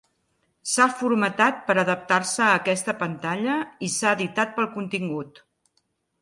S'ha formatat per adaptar-se a aquesta pantalla i s'ha editat pel contingut.